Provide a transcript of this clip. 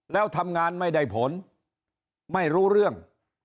แล้วทำงานไม่ได้ผลไม่รู้เรื่อง